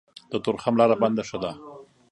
د تورخم لاره بنده ښه ده.